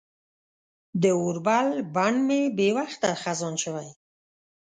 د اوربل بڼ مې بې وخته خزان شوی